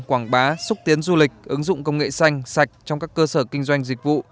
quảng bá xúc tiến du lịch ứng dụng công nghệ xanh sạch trong các cơ sở kinh doanh dịch vụ